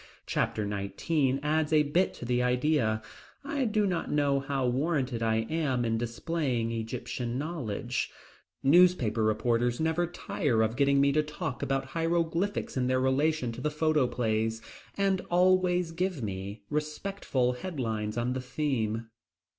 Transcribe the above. Chapter nineteen adds a bit to the idea. I do not know how warranted I am in displaying Egyptian learning. Newspaper reporters never tire of getting me to talk about hieroglyphics in their relation to the photoplays, and always give me respectful headlines on the theme.